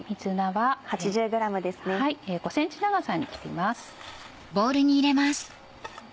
５ｃｍ長さに切ります。